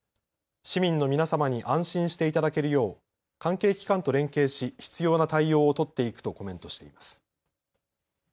市民の皆様に安心していただけるよう関係機関と連携し必要な対応を取っていくとコメントしています。